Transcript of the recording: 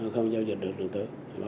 không giao dịch được điện tử